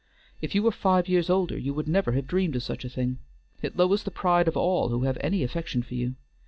If you were five years older you would never have dreamed of such a thing. It lowers the pride of all who have any affection for you.